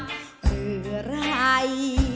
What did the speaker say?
เกิดอะไร